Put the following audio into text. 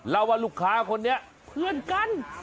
เล่าว่าลูกค้าคนนี้เพื่อนกัน